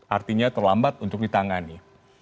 artinya terlambat untuk ditangani